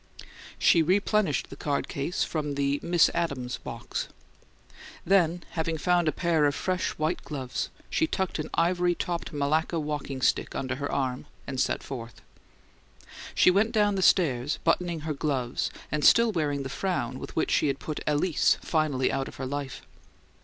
She replenished the card case from the "Miss Adams" box; then, having found a pair of fresh white gloves, she tucked an ivory topped Malacca walking stick under her arm and set forth. She went down the stairs, buttoning her gloves and still wearing the frown with which she had put "Alys" finally out of her life.